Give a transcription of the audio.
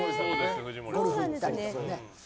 ゴルフ行ったりしてね。